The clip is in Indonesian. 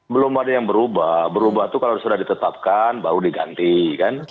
belum ada yang berubah berubah itu kalau sudah ditetapkan baru diganti kan